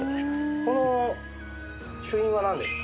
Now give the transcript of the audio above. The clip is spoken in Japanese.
この朱印はなんですか？